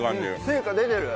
成果出てる？